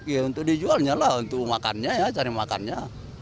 iya itu dijualnya lah untuk makannya ya cari makannya